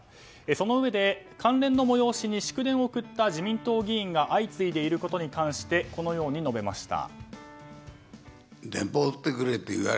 そのうえで関連の催しに祝電を送った自民党議員が相次いでいることに関してこのように述べました。